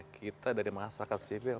kita dari masyarakat sivil